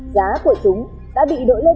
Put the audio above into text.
giá của chúng đã bị đổi lên